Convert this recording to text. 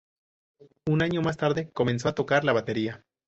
Un año más tarde, comenzó a tocar la batería.